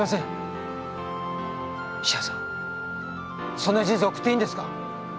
そんな人生送っていいんですか？